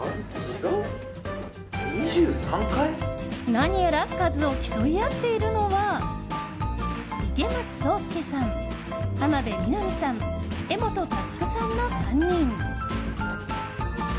何やら数を競い合っているのは池松壮亮さん、浜辺美波さん柄本佑さん。の３人。